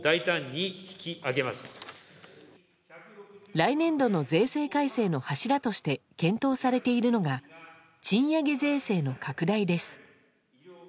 来年度の税制改正の柱として検討されているのが賃上げ税制の拡大です。